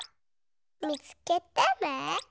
みつけてね。